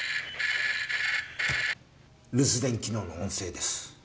留守電機能の音声です。